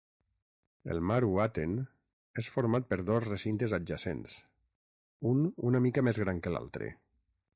El Maru-Aten és format per dos recintes adjacents, un una mica més gran que l'altre.